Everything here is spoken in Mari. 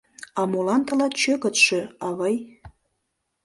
А молан тылат чӧгытшӧ, авый?